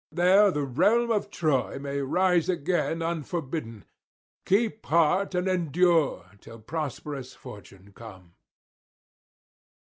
There the realm of Troy may rise again unforbidden. Keep heart, and endure till prosperous fortune come.'